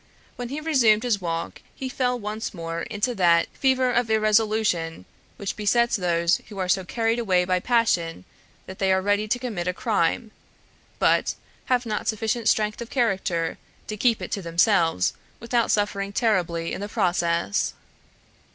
When he resumed his walk he fell once more into that fever of irresolution which besets those who are so carried away by passion that they are ready to commit a crime, but have not sufficient strength of character to keep it to themselves without suffering terribly in the process.